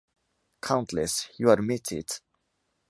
Countless!... you admit it!...